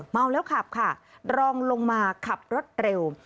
เมาแล้วขับค่ะรองลงมาขับรถเร็ว